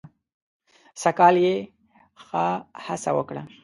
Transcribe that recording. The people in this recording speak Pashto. سږ کال یې ښه هڅه وکړه.